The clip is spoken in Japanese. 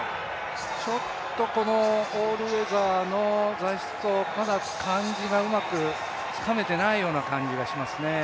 ちょっとオールウェザーの材質とまだ感じがうまくつかめていないような感じがしますね。